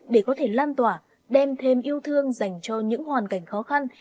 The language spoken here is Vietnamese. để có thể lan tỏa đem thêm yêu thương dành cho những hoàn cảnh khó khăn